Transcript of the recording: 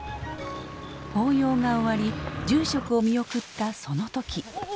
法要が終わり住職を見送ったその時。